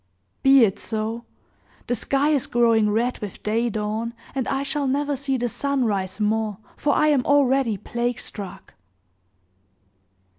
"Be it so! The sky is growing red with day dawn, and I shall never see the sun rise more, for I am already plague struck!"